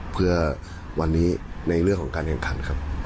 เพื่อวันนี้ในเรื่องของการแข่งขันครับ